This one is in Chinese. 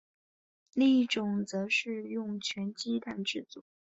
另一种则是全用鸡蛋制造。